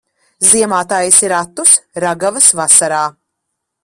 Ziemā taisi ratus, ragavas vasarā.